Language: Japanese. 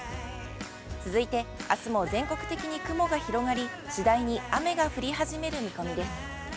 続いて、あすも全国的に雲が広がり、次第に雨が降り始める見込みです。